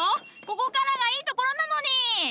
ここからがいいところなのに！